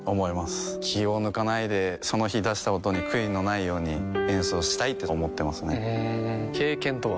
気を抜かないでその日出した音に悔いのないように演奏したいと思ってますね経験とは？